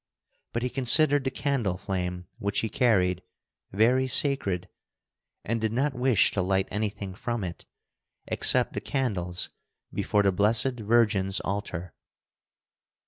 But he considered the candle flame which he carried very sacred, and did not wish to light anything from it, except the candles before the Blessed Virgin's Altar.